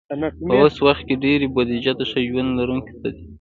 په اوس وخت کې ډېری بودیجه د ښه ژوند لرونکو ته ځي.